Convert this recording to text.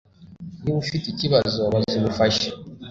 Niba ufite ikibazo, baza ubufasha.